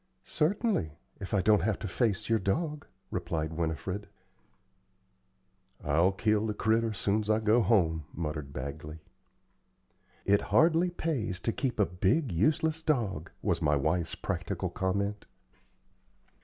"Certainly, if I don't have to face your dog," replied Winifred. "I'll kill the critter soon's I go home," muttered Bagley. "It hardly pays to keep a big, useless dog," was my wife's practical comment.